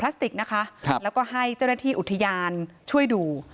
สติกนะคะครับแล้วก็ให้เจ้าหน้าที่อุทยานช่วยดู